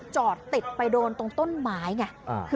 สุดทนแล้วกับเพื่อนบ้านรายนี้ที่อยู่ข้างกัน